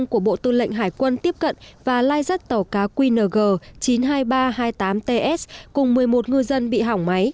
tàu hq sáu trăm ba mươi của bộ tư lệnh hải quân tiếp cận và lai rắt tàu cá qng chín mươi hai nghìn ba trăm hai mươi tám ts cùng một mươi một ngư dân bị hỏng máy